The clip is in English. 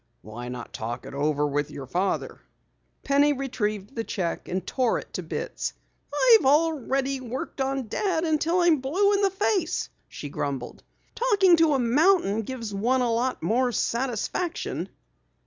"Why not talk it over with your father?" Penny retrieved the check and tore it to bits. "I've already worked on Dad until I'm blue in the face," she grumbled. "Talking to a mountain gives one a lot more satisfaction."